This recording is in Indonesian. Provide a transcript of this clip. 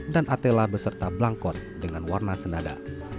dan atela beserta belangkon dengan warna senada